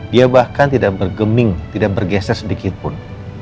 dia bahkan tidak bergeming tidak bergeser sedikitpun